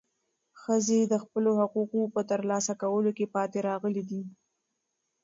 ښځې د خپلو حقوقو په ترلاسه کولو کې پاتې راغلې دي.